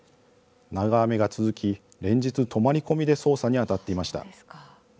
長雨が続き、連日泊まり込みで操作にあたっていました。